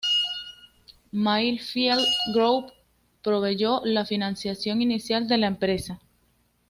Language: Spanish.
Mayfield Group proveyó la financiación inicial de la empresa.